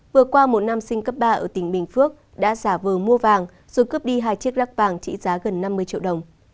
vừa qua một nam sinh cấp ba ở tỉnh bình phước đã giả vờ mua vàng rồi cướp đi hai chiếc lắc vàng trị giá gần năm mươi triệu đồng